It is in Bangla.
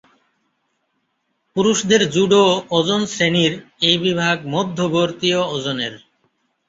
পুরুষদের জুডো ওজন শ্রেণীর এই বিভাগ মধ্যমবর্তীয় ওজনের।